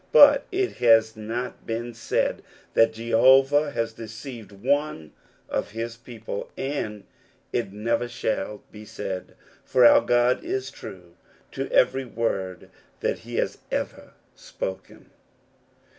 But it has not been said that Jehovah has deceived one ot his people, and it never shall be said ; for God is true to every word that he has everspoken.